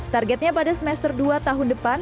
targetnya pada semester dua tahun depan